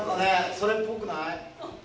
それっぽくない？